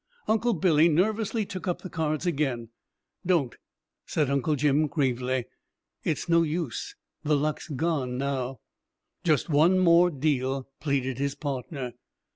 Uncle Billy nervously took up the cards again. "Don't," said Uncle Jim gravely; "it's no use the luck's gone now." "Just one more deal," pleaded his partner.